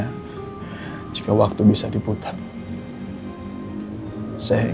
ketika terima kasih dari saya dan para wisata di wild spirit